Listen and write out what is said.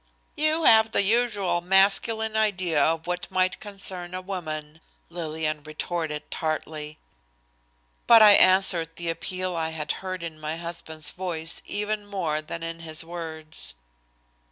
"You have the usual masculine idea of what might concern a woman," Lillian retorted tartly. But I answered the appeal I had heard in my husband's voice even more than in his words.